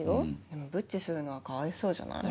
でもブッチするのはかわいそうじゃない？